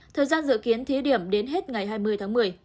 thời gian dự kiến thí điểm đến hết ngày hai mươi tháng một mươi